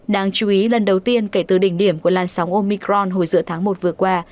đáng chú ý lần đầu tiên kể từ đỉnh điểm của làn sóng omicron hồi giữa tháng một vừa qua